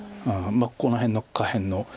この辺の下辺の。